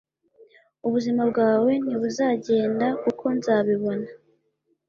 Ubuzima bwawe ntibuzagenda kuko nzabibona.